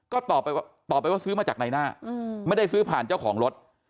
ก็ตอบไปว่าซื้อมาจากในหน้าไม่ได้ซื้อผ่านเจ้าของรถ